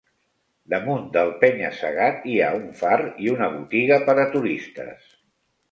Damunt del penya-segat hi ha un far i una botiga per a turistes.